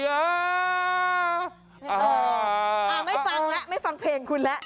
ไม่ฟังแล้วไม่ฟังเพลงคุณแล้ว